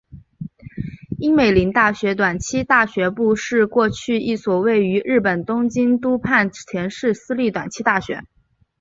樱美林大学短期大学部是过去一所位于日本东京都町田市的私立短期大学。